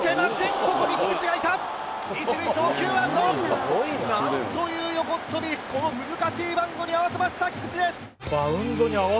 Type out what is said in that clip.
ここに菊池がいた一塁送球アウト何という横っとびこの難しいバウンドに合わせました菊池です